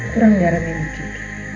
kurang garamnya mungkin